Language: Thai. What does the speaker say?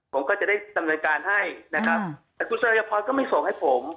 ผมก็จะได้ดำเนินการให้นะครับแต่คุณสัยพรก็ไม่ส่งให้ผม